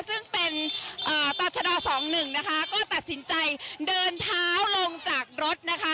ซึ่งเป็นอ่าตัวชะดอสสองหนึ่งนะคะก็ตัดสินใจเดินเท้าลงจากรถนะคะ